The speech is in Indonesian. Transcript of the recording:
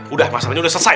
udah masalahnya udah selesai